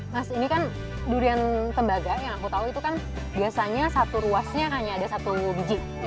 mas ini kan durian tembaga yang aku tahu itu kan biasanya satu ruasnya hanya ada satu biji